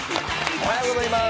おはようございます。